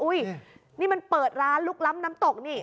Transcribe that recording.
นี่มันเปิดร้านลุกล้ำน้ำตกนี่